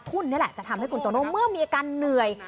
นี่แหละจะทำให้คุณโตโน่เมื่อมีอาการเหนื่อย